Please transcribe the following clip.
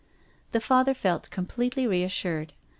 The Father felt completely reassured.